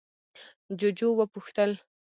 جُوجُو وپوښتل: